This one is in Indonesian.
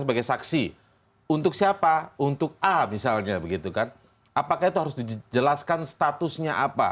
sebagai saksi untuk siapa untuk a misalnya begitu kan apakah itu harus dijelaskan statusnya apa